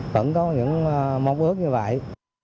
vẫn có những mong ước như vậy